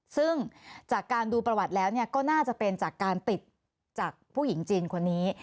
ซึ่งจากการดูประวัติแล้วก็น่าจะเป็นจากการติดจากผู้หญิงจีนคนนี้